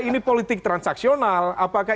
ini politik transaksional apakah